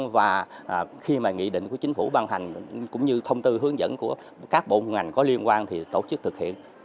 và khi mà nghị định của chính phủ ban hành cũng như thông tư hướng dẫn của các bộ ngành có liên quan thì tổ chức thực hiện